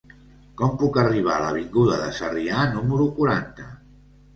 Com puc arribar a l'avinguda de Sarrià número quaranta?